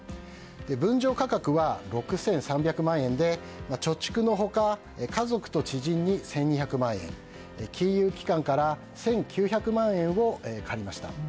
分譲価格は６３００万円で貯蓄の他家族と知人に１２００万円金融機関から１９００万円を借りました。